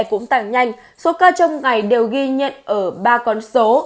cũng tăng nhanh số ca trong ngày đều ghi nhận ở ba con số